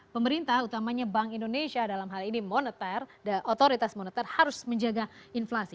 pemerintah utamanya bank indonesia dalam hal ini otoritas moneter harus menjaga inflasi